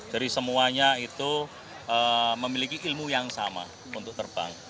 dari semuanya itu memiliki ilmu yang sama untuk terbang